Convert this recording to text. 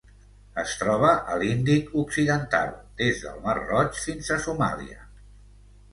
Es troba a l'Índic occidental: des del Mar Roig fins a Somàlia.